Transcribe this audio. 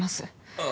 ああ